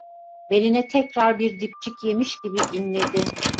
Beline tekrar bir dipçik yemiş gibi inledi.